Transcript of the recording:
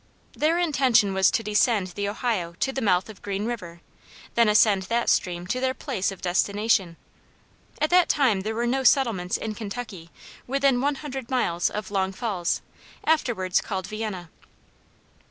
Their intention was to descend the Ohio to the mouth of Green River, then ascend that stream to their place of destination. At that time there were no settlements in Kentucky within one hundred miles of Long Falls, afterwards called Vienna.